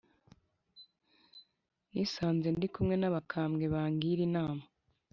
nisanze ndikumwe na bakambwe bangira inama